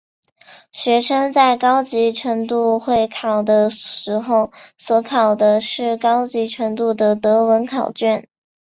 学生在高级程度会考的时候所考的是高级程度的德文考卷。